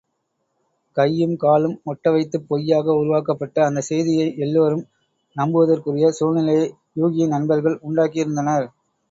கையும் காலும் ஒட்ட வைத்துப் பொய்யாக உருவாக்கப்பட்ட அந்தச் செய்தியை எல்லோரும் நம்புவதற்குரிய சூழ்நிலையை யூகியின் நண்பர்கள் உண்டாக்கியிருந்தனர்.